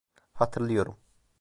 Hatırlıyorum.